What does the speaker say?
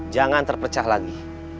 jangan terpecah lagi